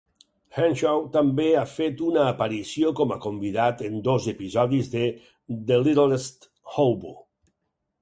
Henshaw també ha fet una aparició com a convidat en dos episodis de "The Littlest Hobo".